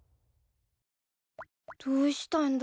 どうしたんだろう？